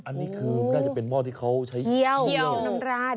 อันนี้คือน่าจะเป็นหม้อที่เขาใช้เคี่ยวน้ำราด